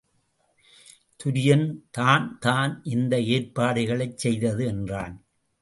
துரியன் தான்தான் இந்த ஏற்பாடுகளைச் செய்தது என்றான்.